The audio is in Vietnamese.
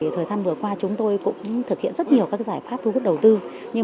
thời gian vừa qua chúng tôi cũng thực hiện rất nhiều các giải đoạn